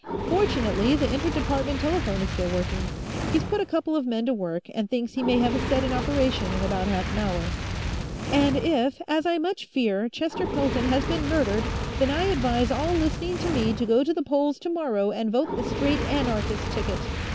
"Fortunately, the inter department telephone is still working. He's put a couple of men to work, and thinks he may have a set in operation in about half an hour." "... And if, as I much fear, Chester Pelton has been murdered, then I advise all listening to me to go to the polls tomorrow and vote the straight Anarchist ticket.